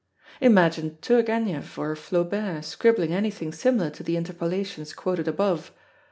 Imagine Turgenev or Flaubert scribbling anything similar to the interpolations quoted above!